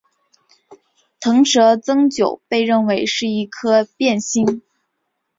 螣蛇增九被认为是一颗变星。